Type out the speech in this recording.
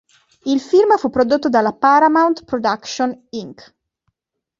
Il film fu prodotto dalla Paramount Productions Inc..